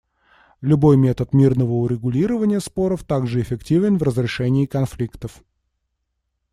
Любой метод мирного урегулирования споров также эффективен в разрешении конфликтов.